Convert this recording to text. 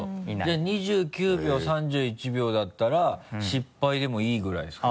じゃあ２９秒３１秒だったら失敗でもいいぐらいですか？